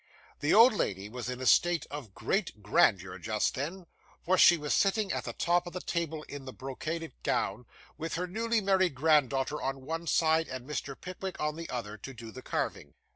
The old lady was in a state of great grandeur just then, for she was sitting at the top of the table in the brocaded gown, with her newly married granddaughter on one side, and Mr. Pickwick on the other, to do the carving.